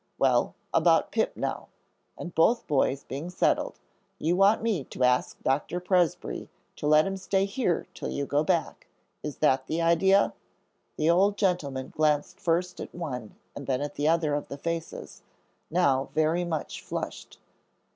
Well, about Pip now," and both boys being settled, "you want me to ask Doctor Presbrey to let him stay here till you go back. Is that the idea?" the old gentleman glanced first at one and then at the other of the faces, now very much flushed.